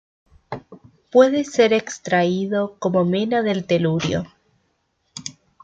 Puede ser extraído como mena del telurio.